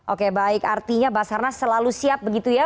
oke baik artinya basarnas selalu siap begitu ya